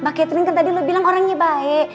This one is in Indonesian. mbak catering kan tadi lo bilang orangnya baik